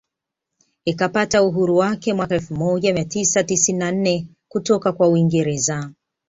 Ikapata uhuru wake mwaka elfu moja mia tisa tisini na nne kutoka kwa Uingereza